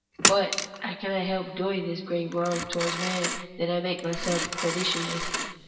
But I cannot help doing this great wrong towards Man, that I make myself credulous.